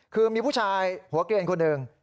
คือมีผู้ชายหัวเกลียนคนหนึ่ง